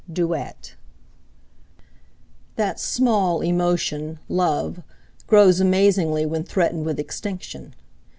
XI.—DUET That "small" emotion, love, grows amazingly when threatened with extinction.